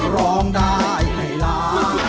ร้องได้ให้ล้าน